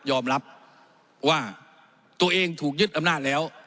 ยอมรับว่าตัวเองถูกยึดอำนาจแล้ว